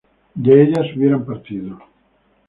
que ellas hubieran partido